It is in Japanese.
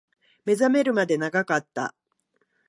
目覚めるまで長かった